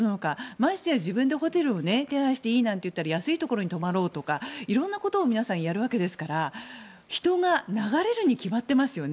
ましてや自分でホテルを手配していいなんていったら安いところに泊まろうとかいろんなことを皆さん、やるわけですから人が流れるにきまってますよね。